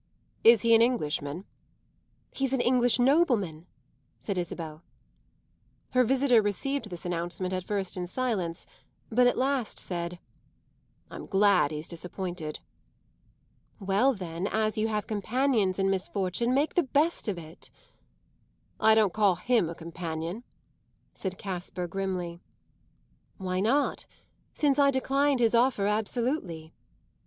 "Is he an Englishman?" "He's an English nobleman," said Isabel. Her visitor received this announcement at first in silence, but at last said: "I'm glad he's disappointed." "Well then, as you have companions in misfortune, make the best of it." "I don't call him a companion," said Casper grimly. "Why not since I declined his offer absolutely?"